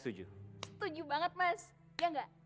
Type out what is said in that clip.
setuju banget mas